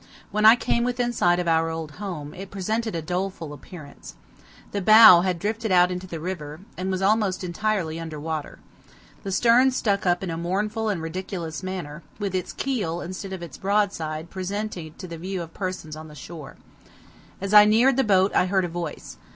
When I came within sight of our old home, it presented a doleful appearance. The bow had drifted out into the river, and was almost entirely under water. The stern stuck up in a mournful and ridiculous manner, with its keel, instead of its broadside, presented to the view of persons on the shore. As I neared the boat I heard a voice.